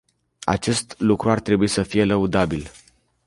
Acest lucru ar trebui să fie lăudabil.